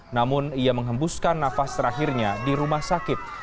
namun ia menghembuskan nafas terakhirnya di rumah sakit